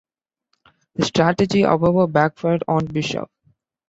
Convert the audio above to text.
The strategy, however, backfired on Bischoff.